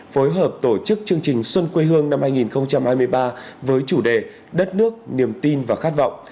phối hợp tổ chức chương trình xuân quê hương năm hai nghìn hai mươi ba với chủ đề đất nước niềm tin và khát vọng